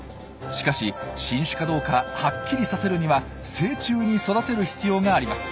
しかし新種かどうかはっきりさせるには成虫に育てる必要があります。